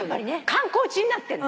観光地になってんの。